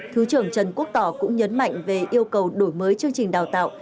thứ trưởng trần quốc tỏ cũng nhấn mạnh về yêu cầu đổi mới chương trình đào tạo